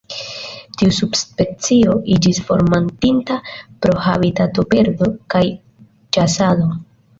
Tiu subspecio iĝis formortinta pro habitatoperdo kaj ĉasado.